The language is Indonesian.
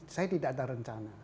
saya tidak ada rencana